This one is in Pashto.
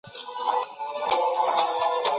د معلولینو لپاره ځانګړي مالي امتیازات وو.